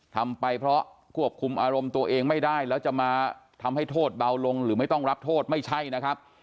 ทำไปเพราะควบคุมอารมณ์ตัวเองไม่ได้แล้วจะมาทำให้โทษเบาลงหรือไม่ต้องรับโทษไม่ใช่นะครับ